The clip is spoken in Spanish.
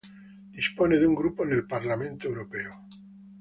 Dispone de un grupo en el Parlamento Europeo.